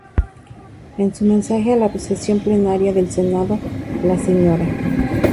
En su mensaje a la sesión plenaria del Senado, la Sra.